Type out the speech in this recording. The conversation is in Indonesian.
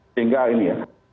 sehingga ini ya